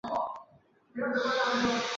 汪潮涌出生于湖北省蕲春县。